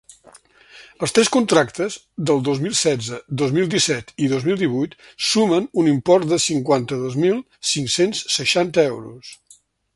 Els tres contractes, del dos mil setze, dos mil disset i dos mil divuit, sumen un import de cinquanta-dos mil cinc-cents seixanta euros.